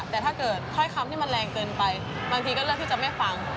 แต่ถ้าเกิดถ้อยคำที่มันแรงเกินไปบางทีก็เลือกที่จะไม่ฟัง